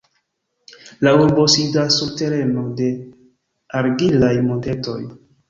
La urbo sidas sur tereno de argilaj montetoj.